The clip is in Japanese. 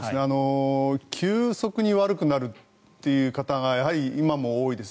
急速に悪くなるという方がやはり今も多いです。